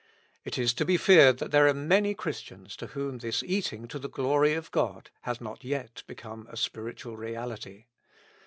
It is to be feared that there are many Christians to whom this eating to the glory of God, has not yet become a spiritual reality.